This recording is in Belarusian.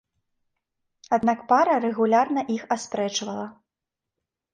Аднак пара рэгулярна іх аспрэчвала.